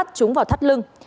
thương đưa súng vào thắt lưng